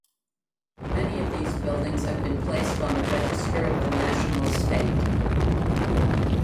Many of these buildings have been placed on the Register of the National Estate.